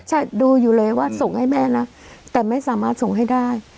ใช่ดูอยู่เลยว่าส่งให้แม่นะแต่ไม่สามารถส่งให้ได้